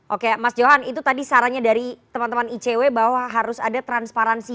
oke mas johan itu tadi sarannya dari teman teman icw bahwa harus ada transparansi